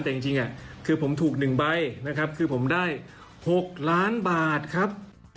แต่จริงคือผมถูก๑ใบนะครับคือผมได้๖ล้านบาทครับ